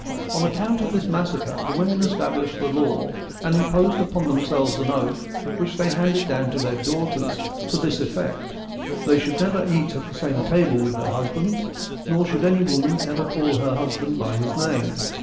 On account of this massacre, the women established the law and imposed upon themselves an oath, which they handed down to their daughters, to this effect : They should never eat at the same table with their husbands, nor should any woman ever call her husband by his name.